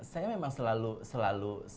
saya memang selalu